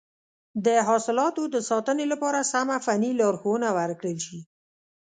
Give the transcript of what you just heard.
د حاصلاتو د ساتنې لپاره سمه فني لارښوونه ورکړل شي.